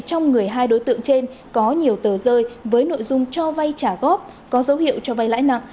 trong người hai đối tượng trên có nhiều tờ rơi với nội dung cho vay trả góp có dấu hiệu cho vay lãi nặng